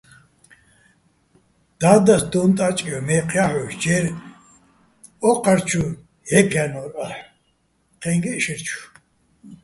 და́დას დონ-ტა́ჭკევ მაჲჴი̆ ჲა́ჰ̦ოშ ჯერ ო́ჴარჩუ ჲჵე́ფჲანო́რ აჰ̦ო̆, ჴე́ჼგეჸ შაჲრჩუ.